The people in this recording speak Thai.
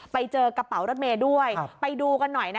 ไปเจอกระเป๋ารถเมย์ด้วยไปดูกันหน่อยนะ